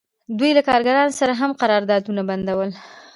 دوی له کارګرانو سره هم قراردادونه بندول